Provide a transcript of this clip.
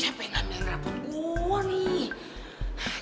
siapa yang ambilin reput gue nih